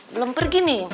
belum pergi nih